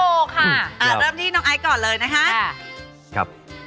อาเริ่มที่น้องไอ้ก่อนเลยนะฮะ